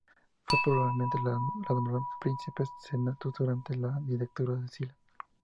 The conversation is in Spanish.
Es probable que le nombraran "princeps senatus" durante la dictadura de Sila.